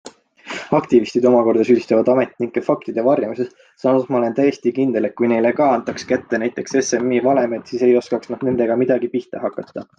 Aktivistid omakorda süüdistavad ametnikke faktide varjamises, samas ma olen täiesti kindel, et kui neile ka antaks kätte näiteks SMI valemid, siis ei oskaks nad nendega midagi pihta hakata.